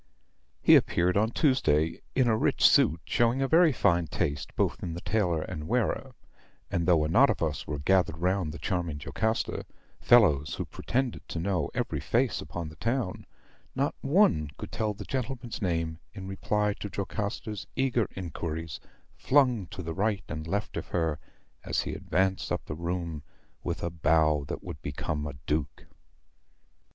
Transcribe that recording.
"He appeared on Tuesday, in a rich suit, showing a very fine taste both in the tailor and wearer; and though a knot of us were gathered round the charming Jocasta, fellows who pretended to know every face upon the town, not one could tell the gentleman's name in reply to Jocasta's eager inquiries, flung to the right and left of her as he advanced up the room with a bow that would become a duke.